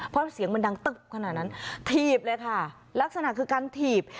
เพราะเสียงมันดังตึ๊บขนาดนั้นถีบเลยค่ะลักษณะคือการถีบ